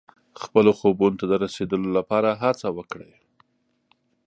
خپلو خوبونو ته د رسېدو لپاره هڅه وکړئ.